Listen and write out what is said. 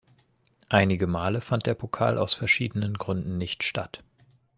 Einige Male fand der Pokal aus verschiedenen Gründen nicht statt.